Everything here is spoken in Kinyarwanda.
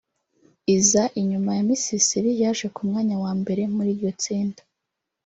iza inyuma ya Misisiri yaje ku mwanya wa mbere muri iryo tsinda